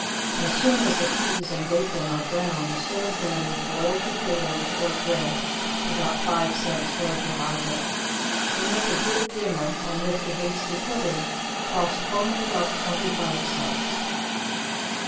As soon as the peas and bacon are brown, serve them with boiled potatoes or bread, (about five cents' worth of either;) they make a good dinner, and with the hasty pudding, cost only about twenty five cents.